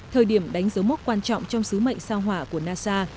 thời điểm đánh dấu mốc quan trọng trong sứ mệnh sao hỏa của nasa